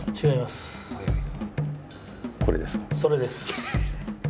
それです。